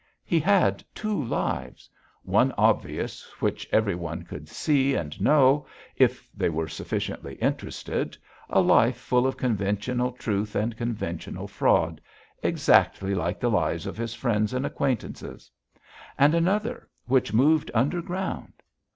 He had two lives; one obvious, which every one could see and know, if they were sufficiently interested, a life full of conventional truth and conventional fraud, exactly like the lives of his friends and acquaintances; and another, which moved underground.